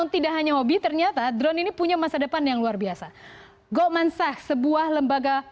tidak hanya hobi ternyata drone ini punya masa depan yang luar biasa go mansach sebuah lembaga